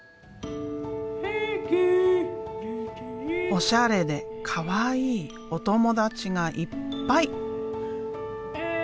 おしゃれでかわいいお友達がいっぱい！